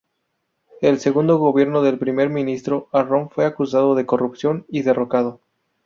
El segundo gobierno del Primer Ministro Arron fue acusado de corrupción y derrocado.